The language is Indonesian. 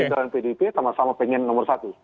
di dalam pdip sama sama pengen nomor satu